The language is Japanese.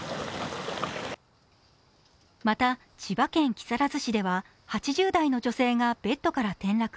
また千葉県木更津市では８０代の女性がベッドから転落。